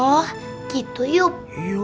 oh gitu yuk